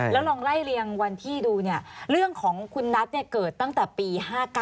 แล้วลองไล่เรียงวันที่ดูเนี่ยเรื่องของคุณนัทเกิดตั้งแต่ปี๕๙